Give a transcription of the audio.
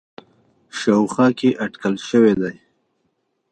ه شاوخوا کې اټکل شوی دی